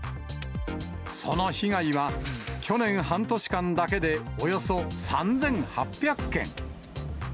その被害は、去年半年間だけでおよそ３８００件。